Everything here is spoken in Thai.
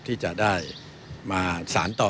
ที่จะได้มาสารต่อ